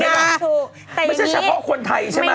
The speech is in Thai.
ไม่ใช่เฉพาะคนไทยใช่ไหม